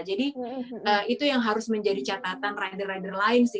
jadi itu yang harus menjadi catatan rider rider lain sih